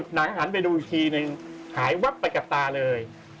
หันไปดูอีกทีนึงหายวับไปกับตาเลย